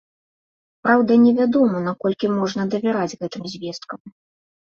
Праўда, невядома, наколькі можна давяраць гэтым звесткам.